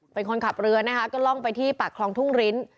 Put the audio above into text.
เป็นคนขับเรือนะคะก็ล่องไปที่ปากคลองทุ่งริ้น